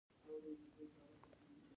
شننه او پرتلنه د ژبې خپل ریښه لري.